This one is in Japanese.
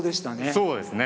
そうですね。